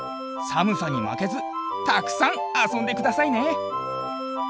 さむさにまけずたくさんあそんでくださいね。